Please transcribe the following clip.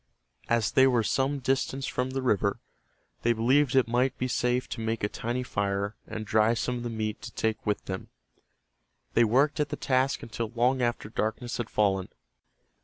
As they were some distance from the river, they believed it might be safe to make a tiny fire and dry some of the meat to take with them. They worked at the task until long after darkness had fallen.